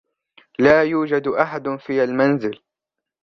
لا يوجد أحد في المنزل.